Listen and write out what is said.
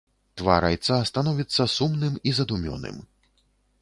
Твар айца становіцца сумным і задумёным.